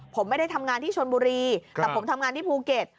ผมไม่ได้ทำงานที่ชนบุรีแต่ผมทำงานที่ภูเก็ต